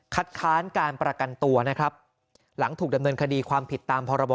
ค้านการประกันตัวนะครับหลังถูกดำเนินคดีความผิดตามพรบ